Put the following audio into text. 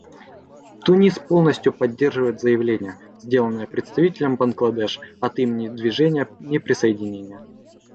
Тунис полностью поддерживает заявление, сделанное представителем Бангладеш от имени Движения неприсоединения.